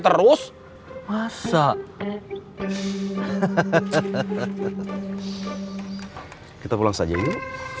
lat bertaruh pada kamu semua